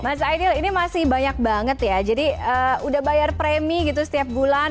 mas aidil ini masih banyak banget ya jadi udah bayar premi gitu setiap bulan